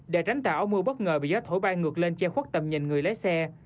để tránh tạo mưa bất ngờ bị gió thổi bay ngược lên che khuất tầm nhìn người lái xe